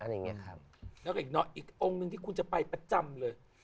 แล้วก็อีกหน่อยอีกองค์นึงที่คุณจะไปประจำเลย